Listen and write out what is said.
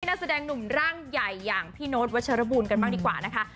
นักแสดงหนุ่มร่างใหญ่อย่างพี่โน๊ตวัชรบูลกันบ้างดีกว่านะคะ